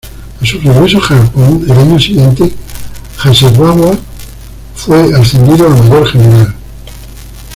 A su regreso a Japón el año siguiente, Hasegawa fue ascendido a mayor general.